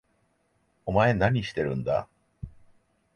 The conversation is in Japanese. お前何してるんだ？